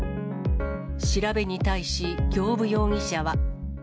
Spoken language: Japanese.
調べに対し、行歩容疑者は。